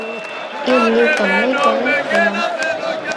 要唔要撳呢個呢我諗